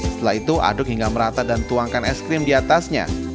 setelah itu aduk hingga merata dan tuangkan es krim di atasnya